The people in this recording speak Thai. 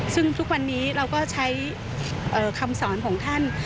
ซึ่งทุกวันนี้เราก็ใช้คำสอนของท่าน